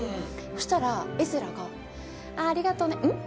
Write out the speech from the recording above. そうしたらエズラがありがとねうん？